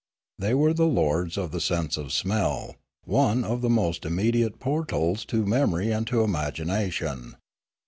They were the lords of the sense of smell, one of the most immediate portals to memory and to imagination.